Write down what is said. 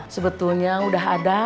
sebetulnya udah ada